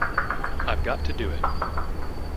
I've got to do it.